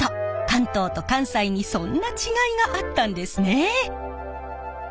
関東と関西にそんな違いがあったんですね。